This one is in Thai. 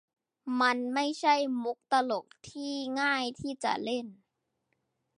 มันไม่ใช่มุกตลกที่ง่ายที่จะเล่น